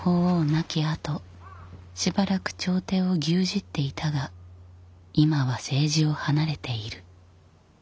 亡きあとしばらく朝廷を牛耳っていたが今は政治を離れている。